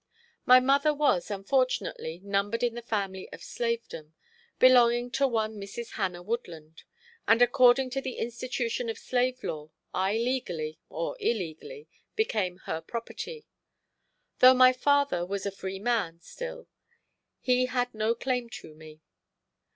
My mother was, unfortunately, numbered in the family of slavedom, belonging to one Mrs. Hannah Woodland, and according to the institution of slave law, I legally, or illegally, became her property. Though my father was a free man still he had no claim to me.